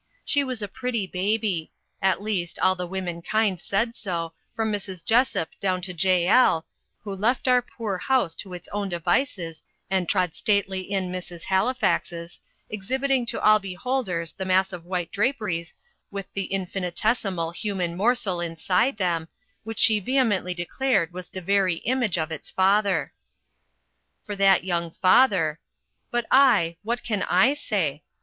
She was a pretty baby at least, all the women kind said so, from Mrs. Jessop down to Jael, who left our poor house to its own devices, and trod stately in Mrs. Halifax's, exhibiting to all beholders the mass of white draperies with the infinitesimal human morsel inside them, which she vehemently declared was the very image of its father. For that young father But I what can I say?